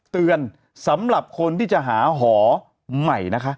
เตือนสำหรับคนที่จะหาหอใหม่นะคะ